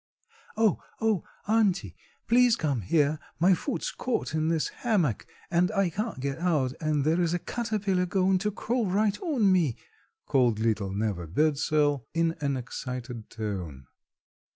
"Oh! Oh! Auntie, please come here, my foot's caught in this hammock and I can't get out and there's a caterpillar going to crawl right on me!" called little Neva Birdsell in an excited tone.